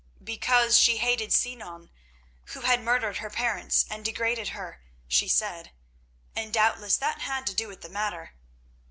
Because she hated Sinan, who had murdered her parents and degraded her, she said; and doubtless that had to do with the matter.